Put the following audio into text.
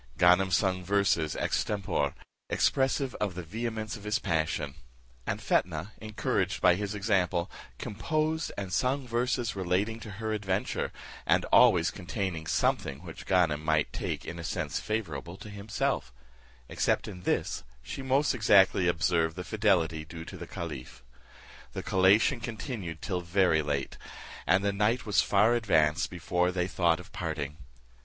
Ganem sung verses ex tempore, expressive of the vehemence of his passion; and Fetnah, encouraged by his example, composed and sung verses relating to her adventure, and always containing something which Ganem might take in a sense favourable to himself; except in this, she most exactly observed the fidelity due to the caliph. The collation continued till very late, and the night was far advanced before they thought of parting.